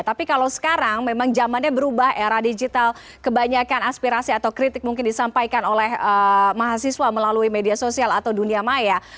tapi kalau sekarang memang zamannya berubah era digital kebanyakan aspirasi atau kritik mungkin disampaikan oleh mahasiswa melalui media sosial atau dunia maya